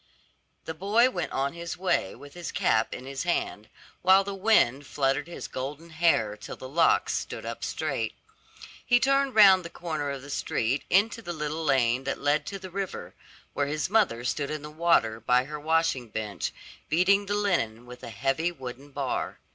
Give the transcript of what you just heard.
The boy went on his way with his cap in his hand, while the wind fluttered his golden hair till the locks stood up straight. He turned round the corner of the street into the little lane that led to the river, where his mother stood in the water by her washing bench, beating the linen with a heavy wooden bar.